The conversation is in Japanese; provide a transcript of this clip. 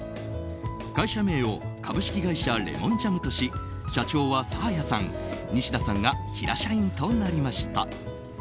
会社名を株式会社レモンジャムとし社長はサーヤさんニシダさんが平社員となりました。